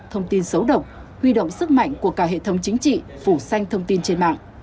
thông tin xấu độc huy động sức mạnh của cả hệ thống chính trị phủ xanh thông tin trên mạng